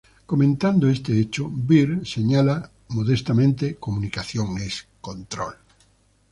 Comentando este hecho, Beer señalaba modestamente: ""Comunicación es control"".